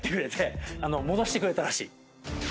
戻してくれたらしい。